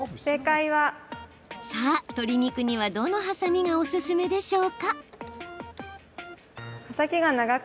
さあ、鶏肉には、どのハサミがおすすめでしょうか？